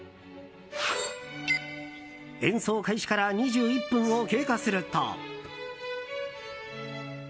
演奏開始から２１分を経過すると。